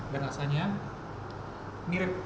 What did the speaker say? dan rasanya mirip